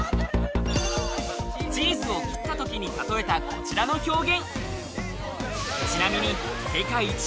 チーズを切ったときに、たとえたこちらの表現。